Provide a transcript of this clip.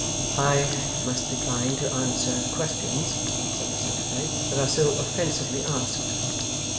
'I must decline to answer questions,' said the Secretary, 'that are so offensively asked.